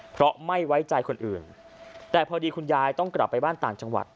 เพราะไม่ไว้ใจคนอื่นแต่พอดีคุณยายต้องกลับไปบ้านต่างจังหวัด